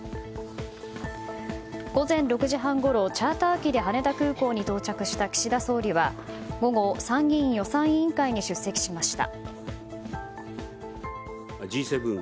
午前６時半ごろ、チャーター機で羽田空港に到着した岸田総理は午後参議院予算委員会に出席しました。